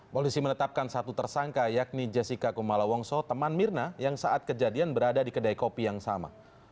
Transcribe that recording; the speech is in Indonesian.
polisi menetapkan satu tersangka yakni jessica kumala wongso teman mirna yang saat kejadian berada di kedai kopi yang sama